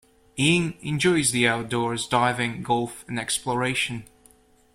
Ying enjoys the outdoors, diving, golf and exploration.